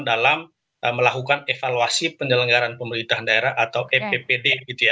dalam melakukan evaluasi penyelenggaran pemerintahan daerah atau mppd